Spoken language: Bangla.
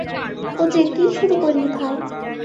ওজে, কী শুরু করলি, ভাই?